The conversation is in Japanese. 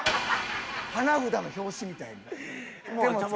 花札の表紙みたいに。